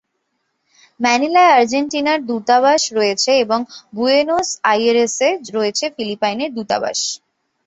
ম্যানিলায় আর্জেন্টিনার দূতাবাস রয়েছে এবং বুয়েনোস আইরেসে রয়েছে ফিলিপাইনের দূতাবাস।